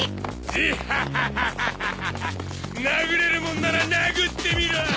ジッハハハハ殴れるもんなら殴ってみろ！